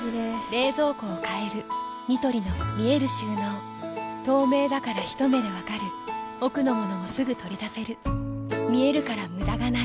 冷蔵庫を変えるニトリの見える収納透明だからひと目で分かる奥の物もすぐ取り出せる見えるから無駄がないよし。